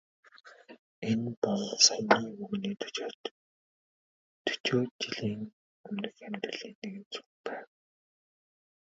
Энэ бол саяын өвгөний дөчөөд жилийн өмнөх амьдралын нэгэн зураг байв.